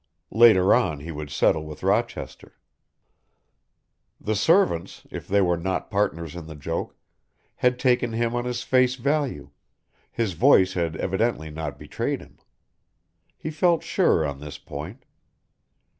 Later on he would settle with Rochester. The servants, if they were not partners in the joke, had taken him on his face value, his voice had evidently not betrayed him. He felt sure on this point.